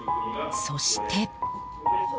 そして。